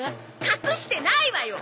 隠してないわよ！